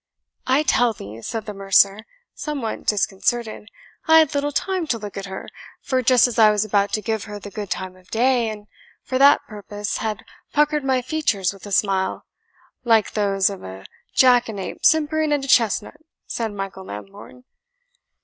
"I tell thee," said the mercer, somewhat disconcerted, "I had little time to look at her; for just as I was about to give her the good time of day, and for that purpose had puckered my features with a smile " "Like those of a jackanape simpering at a chestnut," said Michael Lambourne.